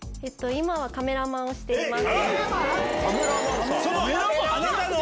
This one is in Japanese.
今はカメラマンをしています。